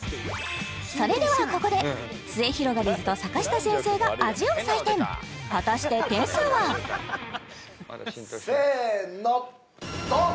それではここですゑひろがりずと阪下先生が味を採点果たして点数はせーのドン！